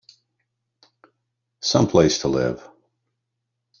Some place to live!